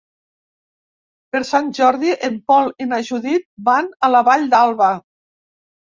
Per Sant Jordi en Pol i na Judit van a la Vall d'Alba.